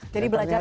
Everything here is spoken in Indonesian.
jadi belajar apa